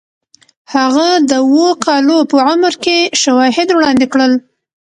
هغه د اوو کالو په عمر کې شواهد وړاندې کړل